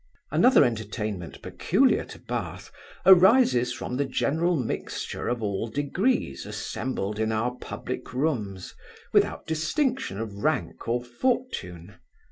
Another entertainment, peculiar to Bath, arises from the general mixture of all degrees assembled in our public rooms, without distinction of rank or fortune.